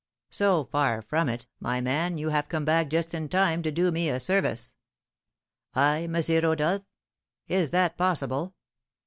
'So far from it, my man, you have come back just in time to do me a service.' 'I, M. Rodolph? Is that possible?